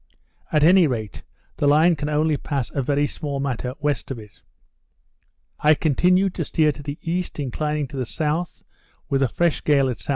At any rate, the Line can only pass a very small matter west of it. I continued to steer to the east, inclining to the south, with a fresh gale at S.W.